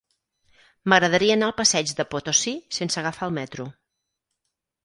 M'agradaria anar al passeig de Potosí sense agafar el metro.